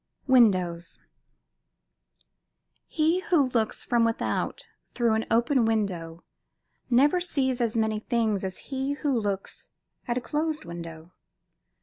WINDOWS He who looks from without through an open window never sees as many things as he who looks at a closed window.